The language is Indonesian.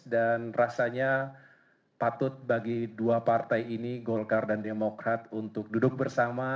dan rasanya patut bagi dua partai ini golkar dan demokrat untuk duduk bersama